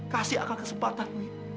kasih akan kesempatan